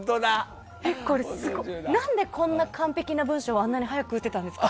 何でこんな完璧な文章をあんな早く打てたんですか？